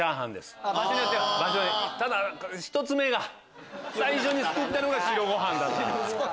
１つ目が最初にすくったのが白ご飯だった。